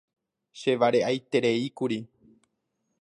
Che vare'aitereíkuri.